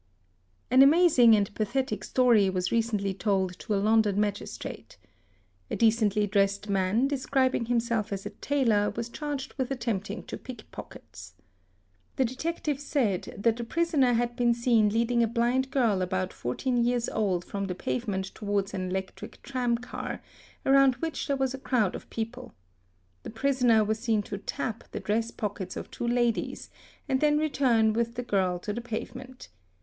) An amazing and pathetic story was recently told to a London Magis _ trate. A decently dressed man, describing himself as a tailor, was charged — with attempting to pickpockets. The detective said that the prisoner had been seen leading a blind girl about 14 years old from the pave 1 ment towards an electric tram car, around which there was a crowd of | people. The prisoner was seen to "tap" the dress pockets of two ladies and then return with the girl to the pavement.